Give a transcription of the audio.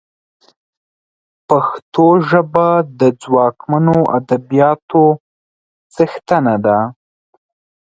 پښتو ژبه د ځواکمنو ادبياتو څښتنه ده